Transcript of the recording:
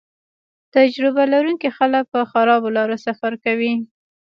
تجربه لرونکي خلک په خرابو لارو سفر کوي